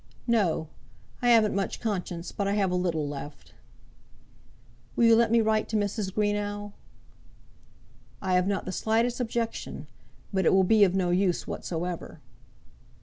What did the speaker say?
"No. I haven't much conscience; but I have a little left." "Will you let me write to Mrs. Greenow?" "I have not the slightest objection; but it will be of no use whatsoever."